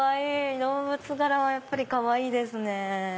動物柄はやっぱりかわいいですね。